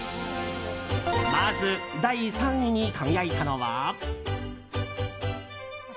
まず、第３位に輝いたのは。